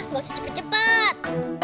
gak usah cepet cepet